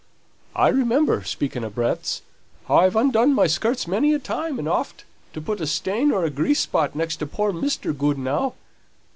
I remember, speaking o' breadths, how I've undone my skirts many a time and oft to put a stain or a grease spot next to poor Mr. Goodenough.